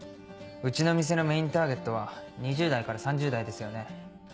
うちの店のメインターゲットは２０代から３０代ですよね。